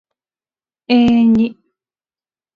永遠に